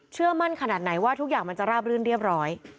เชื่อมั่นขนาดไหนว่าทุกอย่างมันจะราบรื่นเรียบร้อย